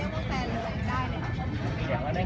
แทนช่องไม่ดี